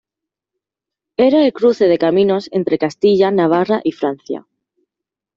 Era el cruce de caminos entre Castilla, Navarra y Francia.